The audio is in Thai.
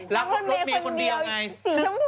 รักรถเมฆคนเดียว